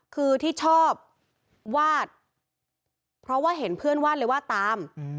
คือที่ชอบวาดเพราะว่าเห็นเพื่อนวาดเลยวาดตาม